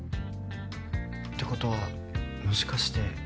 ってことはもしかして。